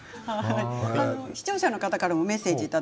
視聴者の方からメッセージです。